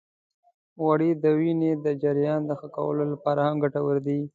غوړې د وینې د جريان د ښه کولو لپاره هم ګټورې دي.